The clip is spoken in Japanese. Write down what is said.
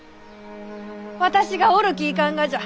私がおるきいかんがじゃ！